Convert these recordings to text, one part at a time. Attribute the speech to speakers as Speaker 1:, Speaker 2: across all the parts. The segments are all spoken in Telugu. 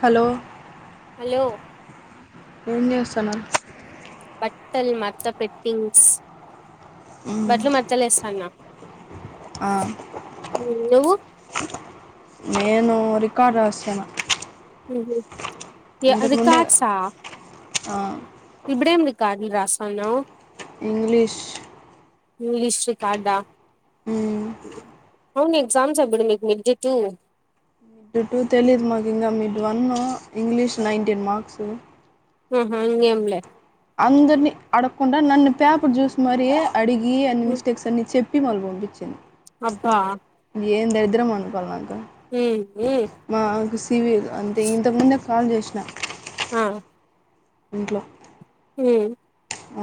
Speaker 1: హలో
Speaker 2: హలో
Speaker 1: ఏం చేస్తున్నావ్
Speaker 2: బట్టల్ మడత పెటింగ్స్ బట్టలు మడతలేస్తాన్న
Speaker 1: ఆ
Speaker 2: నువ్వు
Speaker 1: నేను రికార్డు రాశాను
Speaker 2: ఊహూ ఏ అది కార్ట్సా
Speaker 1: ఆ
Speaker 2: ఇప్పుడేం రికార్డులు రాస్తాన్నావ్
Speaker 1: ఇంగ్లిష్
Speaker 2: ఇంగ్లీష్ రికార్డా
Speaker 1: ఉమ్మ్
Speaker 2: అవును ఎగ్జామ్స్ ఎప్పుడు మీకు మిడ్ టూ
Speaker 1: డ్ టూ తెలీదు మాకు ఇంకా mid one English nineteen marks
Speaker 2: ఊహూ ఇంగేం లే
Speaker 1: అందరినీ అడకుండా నన్ను పేపర్ చూసి మరీ అడిగి అన్ని మిస్టేక్స్ అన్ని చెప్ ప్పి మళ్ళ పంపిచ్చాను
Speaker 2: అబ్బా
Speaker 1: ఇద్దరం అనుకోవాల్నా
Speaker 2: మ్మ్ మ్మ్
Speaker 1: తివ్యూ అంతే ఇంతకు ముందే కాల్ చేసిన
Speaker 2: ఆ
Speaker 1: ఇంట్లో
Speaker 2: మ్మ్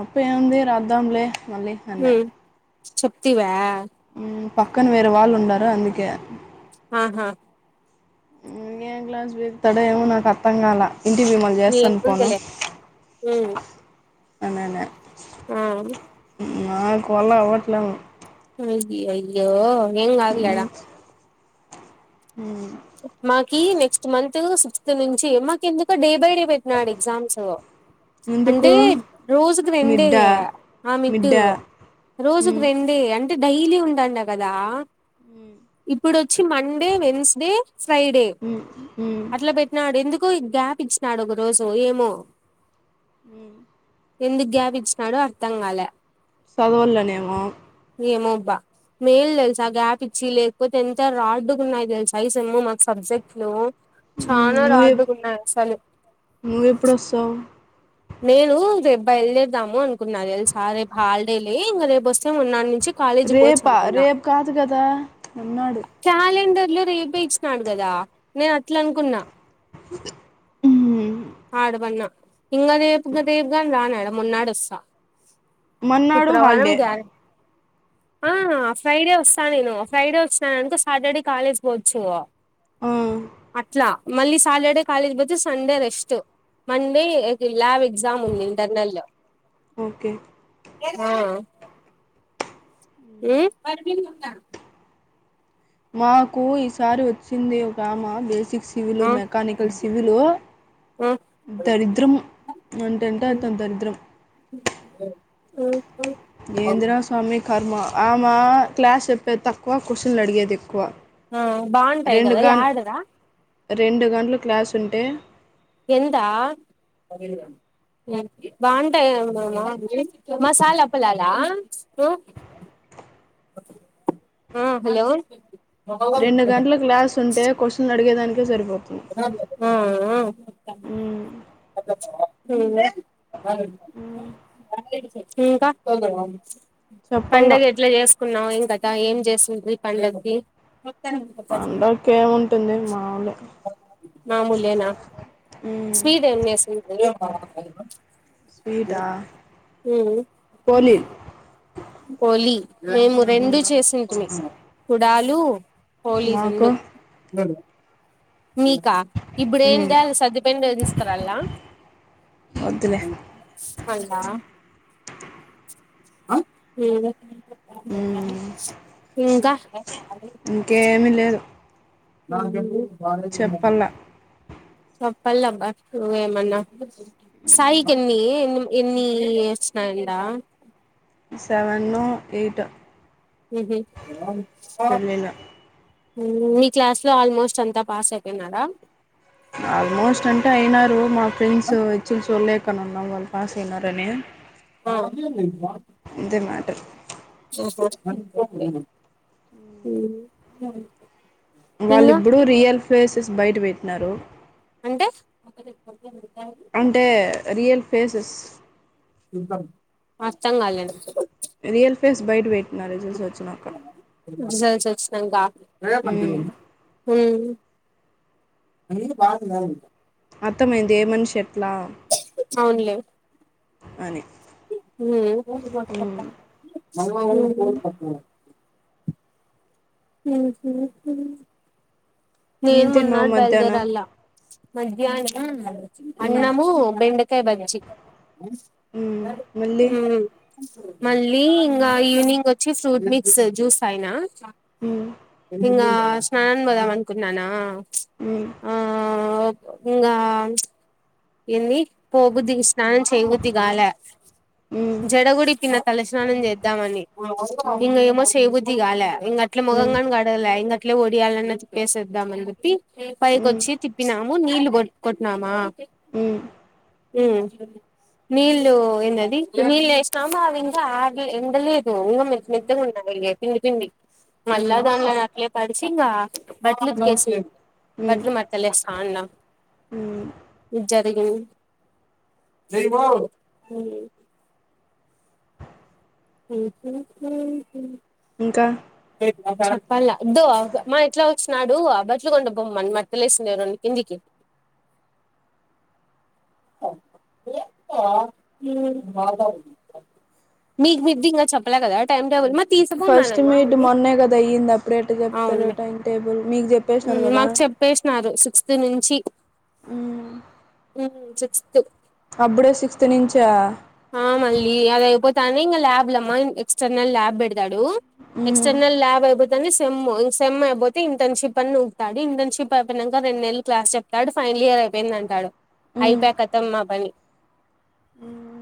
Speaker 1: అప్పు ఏముంది రాద్దాములే మళ్లీ హన్నా
Speaker 2: ఉమ్ చెప్తివా
Speaker 1: మ్ పక్కన వేరే వాళ్ళు ఉండారు అందుకే
Speaker 2: ఆహా
Speaker 1: ఏం క్లాస్ పీగుతాడో ఏమో నాకర్థం కాలా ఇంటికి పోయి మళ్ళ చేస్తాను ఫొను
Speaker 2: ఏముందిలే ఉమ్
Speaker 1: అననె
Speaker 2: ఆ
Speaker 1: నాకు వళ్ళ అవట్లేము
Speaker 2: అయ్యయ్యో ఏం కాదులే ఆడ
Speaker 1: హ్మ్మ్
Speaker 2: మాకి నెక్స్ట్ మంత్ సిక్స్త్ నుంచి మాకు ఎందుకు డే బయట పెట్టినాడు ఎగ్జామ్స్
Speaker 1: ఎందుకు
Speaker 2: అంటే రోజుకు రెండే
Speaker 1: మిడ్డా
Speaker 2: ఆ మిడ్డు
Speaker 1: మిడ్డా
Speaker 2: రోజుకు రెండే అంటే డైలీ ఉండండ కదా ఇప్పుడు వచ్చి మండే వెడ్నెస్డే ఫ్రైడే అట్లా పెట్టినాడు ఎందుక్ గ్యాప్ ఇచ్చినాడు ఒక రోజు ఏమో ఎందుకు గ్యాప్ ఇచ్చినాడు తంగాల
Speaker 1: సదవులనేమం
Speaker 2: ఏమోబ్బా మేల్ తెలుసా గ్యాప్ ఇచ్చి లేకపోతే ఎంత రాడ్డుగా ఉన్నాయి తెలుసా తెలుగుమా సబ్జెక్టులో
Speaker 1: ను నువ్వు వస్తావు
Speaker 2: నేను రేపు బైల్దేరూదం అనుకుున్నాను ఎసా రేపు హాలిడే లే ఇంక రేపు వస్తే మన్నాటి నుంచి కాలేజీకి పోవచ్చు
Speaker 1: రేపా
Speaker 2: అనుకున్నా
Speaker 1: రేపు కాదు కదా అన్నాడు
Speaker 2: పిల్ల ర ఏేప ఇచ్చినాడు కదా నేను అట్లా అనుకున్నా ఆడుబన్న ఇంకా రేపు గ రేపుగాని రాన్నాడు మొన్నాడు వస్తా
Speaker 1: మన్నాడు
Speaker 2: శుక్రవారం
Speaker 1: హల్డే
Speaker 2: గ్యారె ఆ ఫ్రైడే వస్తా నేను ఫ్రైడే వచ్చినాను అనుక సాటర్డే కాలేజ్ పోవచ్చు అట్లా మళ్లీ సాటర్డే కాలేజ్ బతు సండే రెస్ట్ మండే ఇలా ఎక్సామ్ ఉంది ఇంటర్నల్
Speaker 1: ఓకే
Speaker 2: ఆ హ్మ్మ్
Speaker 1: మాకు ఈసారి వచ్చింది ఒకమా బేసిక్ సివిల్
Speaker 2: ఆ
Speaker 1: మెకానికల్ సివిల్
Speaker 2: ఆ
Speaker 1: దరిద్రం ఉంటెంట తొంతరద్ద్రం
Speaker 2: అ
Speaker 1: ఎందిరా స్వామి కర్మ ఆమె క్లాస్ చెప్పేది తక్కువ క్వశ్చన్లు అడిగేది ఎక్కువ
Speaker 2: హ బాగుంటా ఇ
Speaker 1: రెండు
Speaker 2: కదా
Speaker 1: గం
Speaker 2: యాడారా
Speaker 1: రెండు గంటలు క్లాస్ ఉంటే
Speaker 2: ఎంతా బాగుంటామా మసాలా పలాలా హ్మ్మ్ హలో
Speaker 1: రెండు గంటల క్లాస్ ఉంటే క్వశ్చన్ అడిగేదానికి సరుపో
Speaker 2: ఆ ఉ అవు
Speaker 1: మ్మ్ మ్మ్
Speaker 2: ఇంకా
Speaker 1: చెప్పాల
Speaker 2: పండగ ఎట్లా చేసుకున్నావు ఏం కదా ఏం చేస్తుంది పండగకి
Speaker 1: పండగకేముంటుంది మాములు
Speaker 2: మామూలేనా
Speaker 1: మ్మ్
Speaker 2: స్వీట్ ఏం చేసి
Speaker 1: స్వీటా పోలీలు
Speaker 2: లీ మేము రెండు
Speaker 1: మ్మ్
Speaker 2: చేసింటి కుడాలు పోలీసుండు
Speaker 1: మాకు
Speaker 2: మీకా ఇప్పుడు ఏంది
Speaker 1: మ్మ్
Speaker 2: అ సర్దిపోయిన [unintelligible] రదిస్తారలా
Speaker 1: వద్దులే
Speaker 2: అ [unintelligible] [inaudible] ఇంకా
Speaker 1: ఇంకేమి లేదు
Speaker 2: న [inaudible]
Speaker 1: చెప్పాల
Speaker 2: చెప్పాలబ నువేమన్నా సాయికెన్ని ఎన్ని ఎన్ని యోచన ఇంట [unintelligible]
Speaker 1: సెవెను ఎయిట్
Speaker 2: ఉహ్ ఉ
Speaker 1: పెళ్ళిళ్ళు
Speaker 2: మీ క్లాస్ లో ఆల్మోస్ట్ అంతా పాస్ అయిపోయినారా
Speaker 1: ఆల్మోస్ట్ అంటే అయినారు మా ఫ్రెండ్స్ ఎచ్చులు చూల్లేక నఉన్నా వాళ్ళు పాసయినారని
Speaker 2: ఆ
Speaker 1: మ్యాటర్
Speaker 2: [inaudible] ఇంగా
Speaker 1: వాళ్ళిప్పుడుూ రియల్ ఫేసెస్ బయట పెట్టినారు
Speaker 2: అంటే
Speaker 1: అంటే రియల్ ఫేసెస్
Speaker 2: అర్థం కాల
Speaker 1: రియల్ ఫేస్ బయట పెట్ మారేజేసి వచ్చినాక
Speaker 2: సంగా [unintelligible] ఏ పంట
Speaker 1: మ్మ్.
Speaker 2: [unintelligible] అ బాధ [unintelligible]
Speaker 1: అర్థమైంది ఏమని చెప్
Speaker 2: అవునులే
Speaker 1: అని
Speaker 2: మఊ పో
Speaker 1: మ్మ్.
Speaker 2: ప [unintelligible] [inaudible]
Speaker 1: ఏం
Speaker 2: నేను
Speaker 1: తిన్నావు
Speaker 2: మర్నాడ్
Speaker 1: మధ్యాహ్నం
Speaker 2: బయల్దేరాల మధ్యాహ్నం
Speaker 1: మ్మ్.
Speaker 2: అన్నము బెండకాయ బజ్జి
Speaker 1: మ్మ్. మళ్ళీ
Speaker 2: ఉ మళ్ లీ ఇంగా ఈవెనింగ్ వచ్ చ్చి ఫ్రూట్ మిక్స్ జ్యూస్ తాగినా
Speaker 1: మ్మ్.
Speaker 2: ఇంగా స్నానం పోదామని కున్నానా
Speaker 1: మ్మ్.
Speaker 2: ఇంగా [unintelligible] ఏంది పో బుద్ధి స్నానం చేయబుద్ధి కాలే జడ గుడ ఇప్పిన తల స్నానం చేద్దామని ఇం ఏమో చేయబ చేయబుద్. ద్ది కాలే ఇంక అట్లే ముఖం గానీ కడగలే ఇంకా ట్లే వడియాలన్నా చి వేసేద్దామని విప్పి ఏ పైకొచ్చి తిప్పిన ముంద్ నీళ్ కొ కొట్నమా
Speaker 1: ఇంకా
Speaker 2: హు నీళ్ళలు ఏన్నది నీళ్ళు వేస్తామా అవి ఇంకా ఆర్లే ఎండలేదు ఇంకా మెత్తగా ఉన్నాయి. ఇవి పిండి పిండి మల్ల దాళ్ళని అట్లే పడిచీ ఇంగా బట్టలు ఉతికేసి బట్లు మడతలేస్త అన్న ఇ జదగి జైమో హు అ [unintelligible] ఏ [unintelligible] పళ్ళ ఇదో మా ఎట్లా వచ్చన్నాడు అ బట్లు కొండ బొమ్మను మడతలేసింది. రెండు కిందికి [unintelligible] మీకు మీది ఇంకా చెప్పలే కదా టైమ్ టేబుల్ మ
Speaker 1: ఫస్ట్ మీడ్ మొన్నే కదా అయ్యింది. అప్పుడే ఎట్ట చెప్తారు
Speaker 2: అవునులే
Speaker 1: టైం టేబుల్ మీకు చెప్పేసినారు కదా
Speaker 2: మాకు చెప్పేసినారు శు సిక్స్త్ నుంచి
Speaker 1: హు
Speaker 2: హు సిక్స్త్
Speaker 1: అప్పుడే సిక్స్త్ నుంచా
Speaker 2: ఆ మళ్ళీ అది అయిపోతానే ఇంకా ల్యాబ్లు అమ్మా. ఎక్స్టర్నల్ ల్యాబ్ పెడతాడు.
Speaker 1: మ్మ్.
Speaker 2: ఎక్స్టర్నల్ ల్యాబ్ అయిపోతేనే సెమ్. సెమ్ అయిపోతే ఇంటర్న్‌షిప్ అన్న ఉంటాది. ఇంటర్న్‌షిప్ అయిపోయినాక రెండు నెలలు క్లాస్ చెప్తాడు, ఫైనల్ ఇయర్ అయిపోయింది. అంటాడు
Speaker 1: మ్మ్.
Speaker 2: అయిపోయా కదామ్మా మా పని.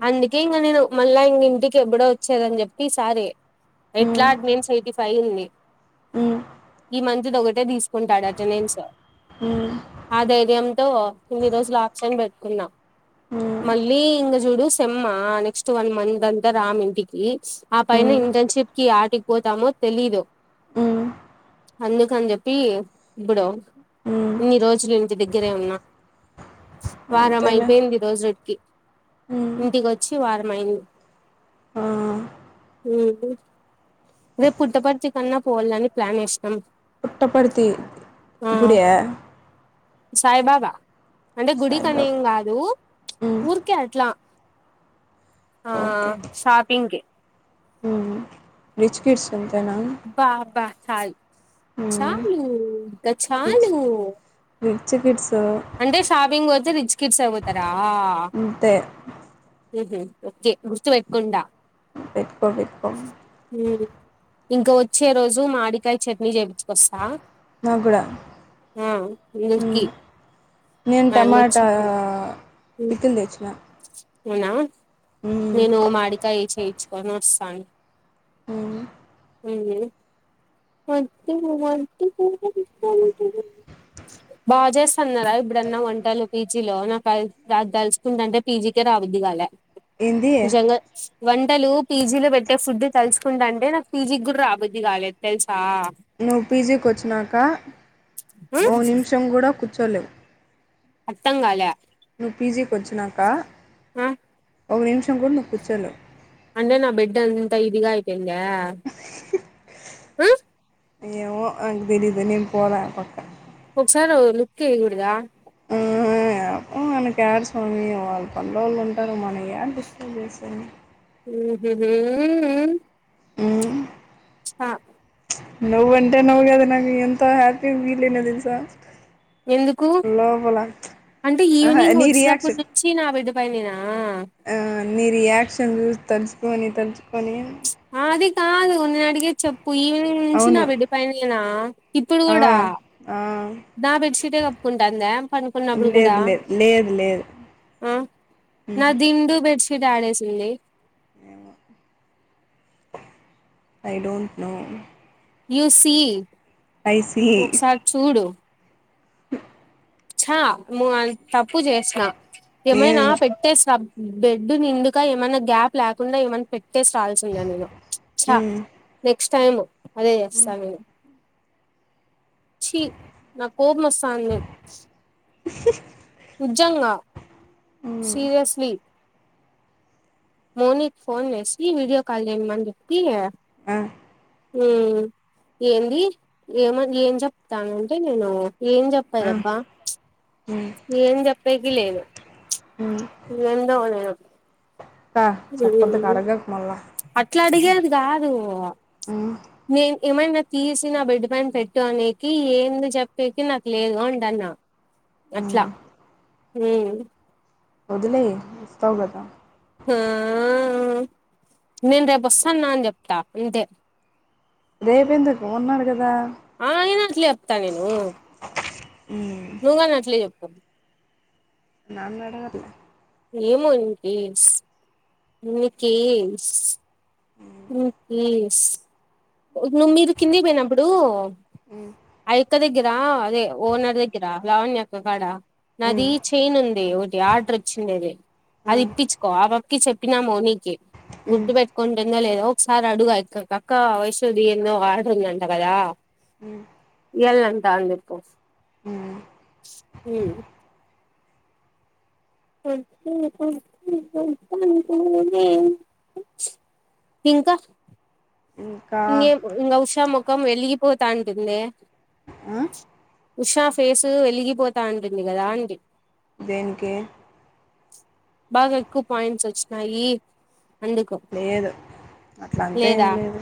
Speaker 2: అందుకే ఇంకా నేను మళ్ళా ఇంటికి ఎప్పుడో వచ్చేదని చెప్పి ఈ సారీ ఎట్లా
Speaker 1: మ్మ్.
Speaker 2: ఆటినెన్స్ ఎయిటీ ఫై ఉంది
Speaker 1: మ్మ్.
Speaker 2: ఈ మంత్ ఒకటే తీసుకుంటాడు అటెండెన్స్.
Speaker 1: హు
Speaker 2: ఆ ధైర్యంతో కొన్ని రోజులు ఆబ్సెంట్ పెట్టుకున్న
Speaker 1: మ్మ్.
Speaker 2: మళ్ళీ ఇంక చూడు. సేమ్ మా నెక్స్ట్ వన్ మంత్ అంతా రాము ఇంటికి. ఆ పైన
Speaker 1: మ్మ్.
Speaker 2: ఇంటెన్షిప్ కి యాటికి పోతామో తెలీదు.
Speaker 1: మ్మ్.
Speaker 2: అందుకని చెప్పి ఇప్పుడు
Speaker 1: మ్మ్.
Speaker 2: ఇన్ని రోజులు ఇంటి దగ్గరే ఉన్నా. వారం
Speaker 1: అంతేలే
Speaker 2: అయిపోయింది. ఈ రోజుటికీ
Speaker 1: మ్మ్.
Speaker 2: ఇంటికొచ్చి వారం అయింది.
Speaker 1: ఆ,
Speaker 2: ఉహు రేపు పుట్టపర్తి కన్నా పోవాలని ప్లాన్ వేసాం.
Speaker 1: పుట్టపర్తి గుడియా
Speaker 2: సాయిబాబా అంటే
Speaker 1: సాయిబాబా
Speaker 2: గుడికనేం కాదు
Speaker 1: మ్మ్.
Speaker 2: ఊరికే అట్లా ఆ
Speaker 1: ఓకే
Speaker 2: షాపింగ్ కి
Speaker 1: మ్మ్. రిచ్ కిడ్స్ అంతేనా
Speaker 2: బా బా చాలు
Speaker 1: మ్మ్.
Speaker 2: చాలు గా చాలు
Speaker 1: చికకిట్స్
Speaker 2: అంటే షాపింగ్ వస్త రిచ్ కిట్స్గతారా ఆ
Speaker 1: అంతే
Speaker 2: ఉహుమ్ ఓకే గుర్తు వైపుకుంటా
Speaker 1: పెటుకో పెటుకో
Speaker 2: ఉమ్, ఇంకా వచ్చే రోజు మాడికాయ చట్నీ చేయించుకొస్తా
Speaker 1: నాకు కూడా
Speaker 2: ఆ అనిటికి
Speaker 1: మ్మ్. నేను టమాటా
Speaker 2: ఉమ్,
Speaker 1: పికిల తెచ్చిన
Speaker 2: అవునా
Speaker 1: మ్మ్.
Speaker 2: నేను మామిడికాయ ఈ చే కు సాను
Speaker 1: అవును
Speaker 2: ఎంది బాగా చేస్తున్నారా ఇప్పుడన్నా వంటలు పీజీలో నాకు తెలుసుకుంటంటే పీజీకే రావద్దుగాాలే
Speaker 1: ఏంది
Speaker 2: నిజంగా వంటలు పీజీ లో పెట్టే ఫుడ్ తలుుకుంట అంటే నాకు పీజీకి కూడా రాబద్ది కాలేదు తెలుసా
Speaker 1: నువ్ పీజీకి వచ్చినాక ఓ
Speaker 2: ఉమ్,
Speaker 1: నిమిషం కూడా కు కోలెవ్
Speaker 2: అర్థం కాలే
Speaker 1: నువ్ పీజీకి వచ్చినకా
Speaker 2: ఆ
Speaker 1: ఒక నిమిషం కూడా నువ్వు కూర్చోలేవు
Speaker 2: అంటే నా బెడ్ అంత ఇదిగ అయితే ఉంధా ఉమ్
Speaker 1: ఏయమో అక తెలీదు నేను పోాల పక్క
Speaker 2: ఒకసార్ లుక్ వేయాకుడాధా
Speaker 1: హు ఆ మనకి ఏడ స్వామి వాళ్ళ పనిలో వాళ్ళు ఉంటారు మనం ఎ డిస్టర్బ్ చేసేది
Speaker 2: మ్ హుహు మ్ మ్
Speaker 1: మ్
Speaker 2: హ
Speaker 1: నువ్వుంటే నవ్వు గద నకు ఎంత హ్యాపీగా ఫీలైన తెల్సా
Speaker 2: ఎందుకు అంటే
Speaker 1: ఆహా
Speaker 2: ఈవినింగ్
Speaker 1: నీ
Speaker 2: వచ్చినప్పుడు
Speaker 1: రియాక్షన్
Speaker 2: నుంచి నా బెడ్ పైనేనా
Speaker 1: కోనీ తల్చు కొని
Speaker 2: ఆ అది కాదు నేను అడిగేది చెప్ ప్పు ఈవినింగ్ నుంచి నా
Speaker 1: అవును
Speaker 2: బెడ్ పైనేనా ఇప్పుడు
Speaker 1: ఆ
Speaker 2: కూడా
Speaker 1: ఆ
Speaker 2: నా బెడ్షీటే కప్పుకుంటందా పండుకున్నప్పుడు కూడా
Speaker 1: లేదు లేదు లేదు లేదు
Speaker 2: ఆ నా దిండు బెడ్షీట్ ఆడేసింది
Speaker 1: ఏమో I don't know
Speaker 2: you see
Speaker 1: I see
Speaker 2: ఒకసారి చూడు చా ము అన్ తప్పు చేసిన
Speaker 1: నేను
Speaker 2: ఏమైనా పెట్టేసిర బెడ్ నిండుగా ఏమన్నా గ్యాప్ లేకుండా ఏమన్నా పె ట్టేసి రావాల్సుండే నేను చ
Speaker 1: మ్మ్
Speaker 2: పె క్స్ట్ టైమ్ అదే చేస్తా నేను చీ నాకు కోపమొస్తాంది
Speaker 1: హుహు
Speaker 2: నిజంగా సీరియస్లీ మౌనికి ఫోన్ చెసి వీడియో కాల్ చేయమని చెప్పి ఆ
Speaker 1: ఆ
Speaker 2: ఏ ఏంది ఏమ ఏం చెప్తానంటే నేను ఏం
Speaker 1: ఆ
Speaker 2: చెప్పేదబ్బా
Speaker 1: మ్మ్
Speaker 2: ఏం జెప్పేకి లేదు
Speaker 1: మ్మ్
Speaker 2: ఏందో నేను
Speaker 1: అక్క
Speaker 2: హూ
Speaker 1: చెప్పొద్దుక అడగకు మళ్ళా
Speaker 2: అట్లా అడిగేది కాదు
Speaker 1: హ్మ్
Speaker 2: నేను ఏమైనా తీసి నా బెడ్ పైన పెట్టు అనేనికి ఏంది చెప్పేకి నాకు లేదు అంటన్న అట్లా
Speaker 1: హ్మ్
Speaker 2: హూ
Speaker 1: వదిలేయ్ వస్తావు గదా
Speaker 2: ఆ నేను రేపోస్తాన్న అని చెప్తా అంతే
Speaker 1: రేపెందుకు ఉన్నాడు గదా
Speaker 2: ఆ అయినా అసల చెప్తా నువు
Speaker 1: హ్మ్
Speaker 2: నువ్ గాని అట్లే చెప్పవ్
Speaker 1: నాన్ మేడ గ అది
Speaker 2: ఏమో ఇంక ఏయిడ్స్ నికీ ఉమ్ లీవ్స్ ఉ నువ్ మీరు కిందికి పోయ్నప్పుడు
Speaker 1: హ్మ్
Speaker 2: అయక్క దగ్గర్ దా అదె ఓనర్ దగ్గిర లావణ్య అక్క కాడ నదీ
Speaker 1: హ్మ్
Speaker 2: చైన్ ఉంది ఒట్ యా డ్రోచ్చిండేది
Speaker 1: ఆ
Speaker 2: అది ఇప్పిచ్చుకొ ఆబ కి చెప్పినా మోనీకి
Speaker 1: హ్మ్
Speaker 2: గుర్తు పెట్కుంటుందో లేదో సారి అడుగు ఆయక్క క్ అక్కా వైష్ తుది ఏందొ వాడుతుందంట కదా ఎల్లన్ తాంది ఫోజ్
Speaker 1: హ్మ్
Speaker 2: ఉమ్ [unintelligible] ఇంక
Speaker 1: ఇంకా
Speaker 2: ఇంగేమ్ ఇంగ ఉష మొగ్ మొఖం వెలిగిపోతాంటుదియె
Speaker 1: ఆయ్
Speaker 2: ఉషా ఫేస్ వెలిగిపోతాంటుంది కదా అండి
Speaker 1: దేనికి
Speaker 2: బాగ ఎక్కువ పాయింట్స్ వచ్చినాయి అందుకు
Speaker 1: లేదు అట్ల అంత ఏం
Speaker 2: లేదా
Speaker 1: లేదు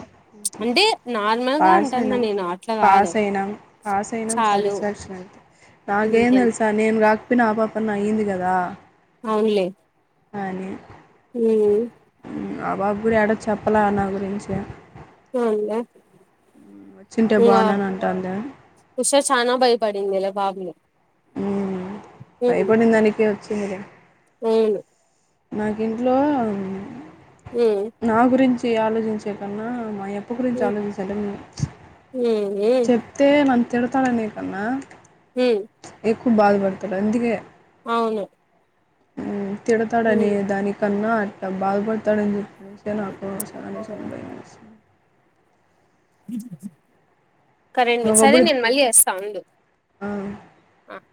Speaker 2: అంటే నార్మల్ గా
Speaker 1: పాస్
Speaker 2: అంటాన్నా
Speaker 1: అయినాం
Speaker 2: నేను అట్లా కాదు
Speaker 1: పాస్ అయినాం పాస్ అయినా
Speaker 2: చాలు
Speaker 1: సాటిస్ఫాక్షన్ అయితె నాకేం
Speaker 2: తె
Speaker 1: తెలుసా నేను నువ్ రాక్పొయిన ఆ పాప అన్న అయ్యింది కదా
Speaker 2: అవున్లే
Speaker 1: అనె
Speaker 2: ఉమ్
Speaker 1: ఆ పాప గూడ యాడ చెప్పల నా గురించి
Speaker 2: బావుందా
Speaker 1: వచ్చింటే
Speaker 2: ఇంగా ఆ
Speaker 1: బాగున్నాను అంటాంది
Speaker 2: ఉష చాన బయపడిందిలే బాబులె
Speaker 1: ఉమ్ భైపడిందనికే వచ్ చిందిలె
Speaker 2: ఊను.
Speaker 1: నాకింట్లో.
Speaker 2: ఉమ్
Speaker 1: నా గురించి. చే ఆలోచించేకన్నా మయం. అప్పు గురించి
Speaker 2: ఉమ్
Speaker 1: ఆలోచించండింటే ప్చ్.
Speaker 2: ఉమ్ ఉమ్
Speaker 1: చెప్తే మన్. తిడుతారనేకన్నా.
Speaker 2: ఉమ్.
Speaker 1: ఎక్కువ బాధపడతారు అందుకే.
Speaker 2: అవును.
Speaker 1: ఉమ్.
Speaker 2: ఉమ్
Speaker 1: తిడతాడనే దానికన్నా అట్లా బాధపడతాడని చెప్పేసే నాకు. చనే
Speaker 2: అవును
Speaker 1: చనిపోయే అసిం.
Speaker 2: కరెన్ మీ సరే
Speaker 1: ఒకప్పుడు
Speaker 2: నేను మళ్ళీ చేస్తా వుండు
Speaker 1: ఆ
Speaker 2: ఆహ్.